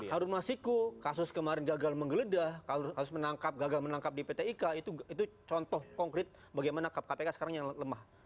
harun masiku kasus kemarin gagal menggeledah kasus gagal menangkap di pt ika itu contoh konkret bagaimana kpk sekarang yang lemah